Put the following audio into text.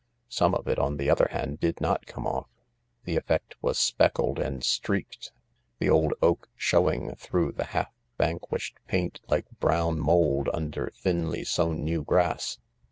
Some of it, on the other hand, did not come off. The effect was speckled and streaked, the old oak showing through the half vanquished paint like brown mould under thinly sown new grass.